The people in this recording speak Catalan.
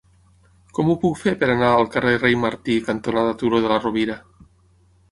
Com ho puc fer per anar al carrer Rei Martí cantonada Turó de la Rovira?